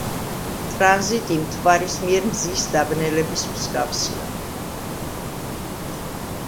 ტრანზიტი მთვარის მიერ მზის დაბნელების მსგავსია.